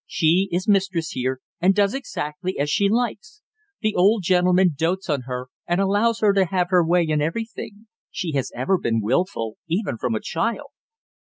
She is mistress here, and does exactly as she likes. The old gentleman dotes on her and allows her to have her way in everything. She has ever been wilful, even from a child."